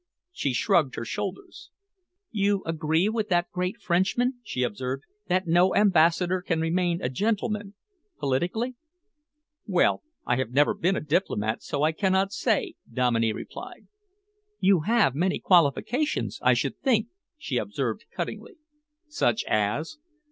She shrugged her shoulders. "You agree with that great Frenchman," she observed, "that no ambassador can remain a gentleman politically." "Well, I have never been a diplomat, so I cannot say," Dominey replied. "You have many qualifications, I should think," she observed cuttingly. "Such as?"